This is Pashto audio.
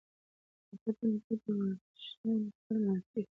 د بدن بوی د ورزشځایونو لپاره منل کېږي.